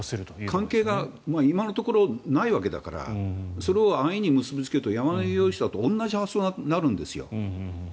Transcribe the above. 関係が今のところないわけだからそれを安易に結びつけると山上容疑者と同じ発想になるんですよ。